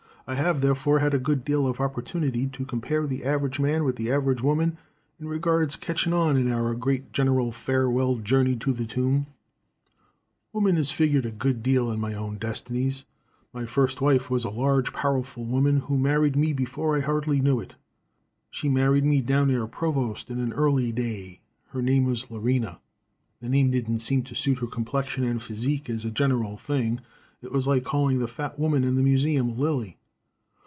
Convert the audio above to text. I have, therefore, had a good deal of opportunity to compare the everedge man with the everedge woman as regards ketchin' on in our great general farewell journey to the tomb. [Illustration: "YOU GO ON WITH YOUR PETITION."] "Woman has figgered a good deal in my own destinies. My first wife was a large, powerful woman, who married me before I hardly knew it. She married me down near Provost, in an early day. Her name was Lorena. The name didn't seem to suit her complexion and phizzeek as a general thing. It was like calling the fat woman in the museum Lily.